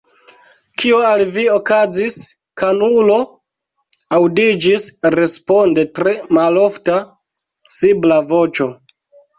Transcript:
« Kio al vi okazis, kunulo?" Aŭdiĝis responde tre malforta sibla voĉo.